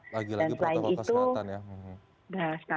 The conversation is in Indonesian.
lagi lagi protokol kesehatan ya